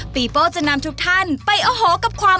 โป้จะนำทุกท่านไปโอ้โหกับความ